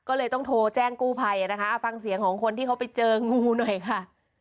ก็เลยต้องโทรแจ้งกู้ภัยนะคะเอาฟังเสียงของคนที่เขาไปเจองูหน่อยค่ะ